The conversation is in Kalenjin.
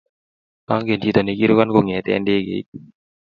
Angen chi nikirukan kongete ndegeit.